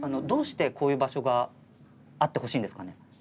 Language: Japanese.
どうして、こういう場所があってほしいんですかね。